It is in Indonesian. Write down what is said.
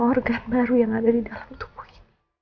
organ baru yang ada di dalam tubuh ini